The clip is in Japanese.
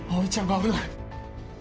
危ない！